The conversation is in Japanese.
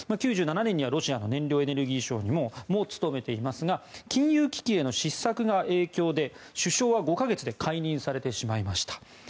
９７年にはロシアの燃料エネルギー相も務めていますが金融危機への失策が影響で首相は５か月で解任されてしまいました。